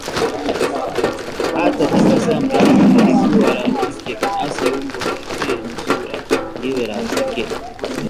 Hata tabasamu langu lilikuwa la kike hasa! Umbo vilevile nusura liwe la kike